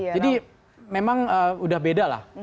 jadi memang sudah beda lah